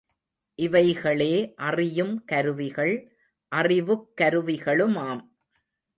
இவைகளே அறியும் கருவிகள், அறிவுக் கருவிகளுமாம்.